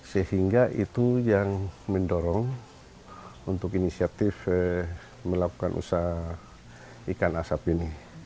sehingga itu yang mendorong untuk inisiatif melakukan usaha ikan asap ini